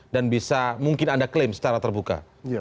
dan bisa mungkin anda claim secara terbuka